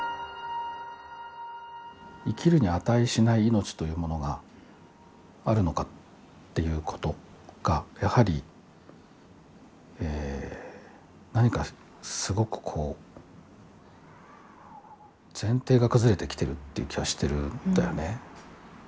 生きるに値しない命というものがあるのかということがやはり、何かすごくこう前提が崩れてきてるっていう気がしているんだよね。